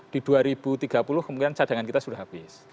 di dua ribu tiga puluh kemungkinan cadangan kita sudah habis